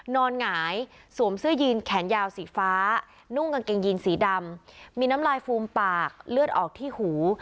หงายสวมเสื้อยีนแขนยาวสีฟ้านุ่งกางเกงยีนสีดำมีน้ำลายฟูมปากเลือดออกที่หู